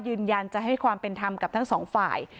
ยืนยันจะให้ความเป็นธรรมกับทั้งสองฝ่าย